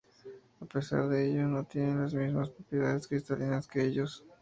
A pesar de ello no tiene las mismas propiedades cristalinas que ellos.